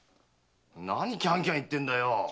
何キャンキャン言ってんだよ？